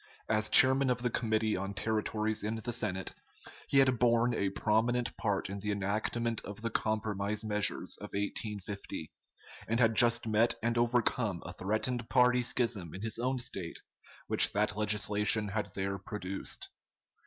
As Chairman of the Committee on Territories in the Senate, he had borne a prominent part in the enactment of the compromise measures of 1850, and had just met and overcome a threatened party schism in his own State, which that legislation had there produced.